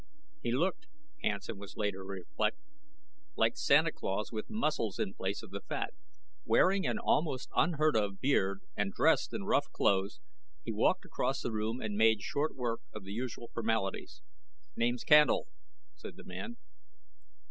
He looked, Hansen was later to reflect, like Santa Claus with muscles in place of the fat. Wearing an almost unheard of beard and dressed in rough clothes, he walked across the room and made short work of the usual formalities. "Name's Candle," said the man.